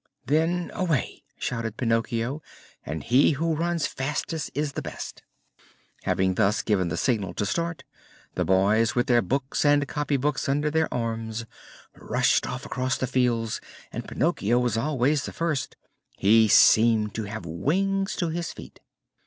"Then away!" shouted Pinocchio, "and he who runs fastest is the best!" Having thus given the signal to start, the boys, with their books and copy books under their arms, rushed off across the fields, and Pinocchio was always the first he seemed to have wings to his feet.